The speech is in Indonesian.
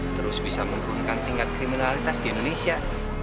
terus bisa menurunkan tingkat kriminalitas di indonesia